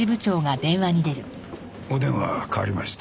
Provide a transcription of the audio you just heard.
お電話代わりました。